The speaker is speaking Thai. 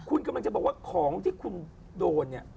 คุณกำลังจะบอกว่าของที่คุณโดนเนี่ย